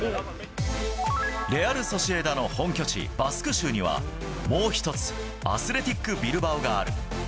レアル・ソシエダの本拠地、バスク州には、もう一つ、アスレティック・ビルバオがある。